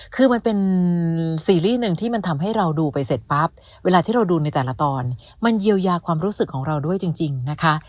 คือมันเป็นซีรีส์หนึ่งที่มันทำให้เราดูไปเสร็จปั๊บเวลาที่เราดูในแต่ละตอนมันเยียวยาความรู้สึกของเราด้วยจริงนะคะ